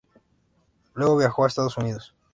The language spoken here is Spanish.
Luego viajó a Estados Unidos.